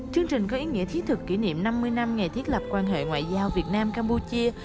chương trình có ý nghĩa thiết thực kỷ niệm năm mươi năm ngày thiết lập quan hệ ngoại giao việt nam campuchia